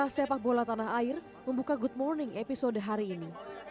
sepak bola tanah air membuka good morning episode hari ini